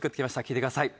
聴いてください。